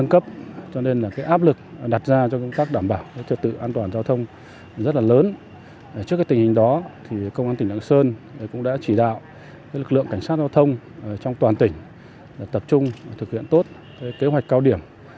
kế hoạch cao điểm